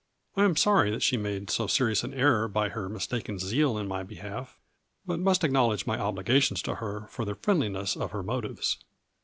I am sorry that she made so serious an error, by her mistaken zeal in my behalf, but must ac knowledge my obligations to her for the friend liness of her motives."